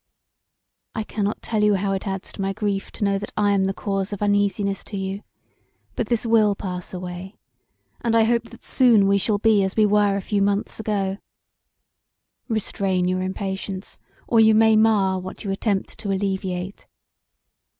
I cannot tell you how it adds to my grief to know that I am the cause of uneasiness to you; but this will pass away, and I hope that soon we shall be as we were a few months ago. Restrain your impatience or you may mar what you attempt to alleviate.